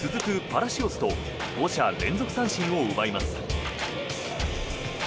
パラシオスと５者連続三振を奪います。